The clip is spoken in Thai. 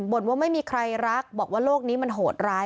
บ่นว่าไม่มีใครรักบอกว่าโลกนี้มันโหดร้าย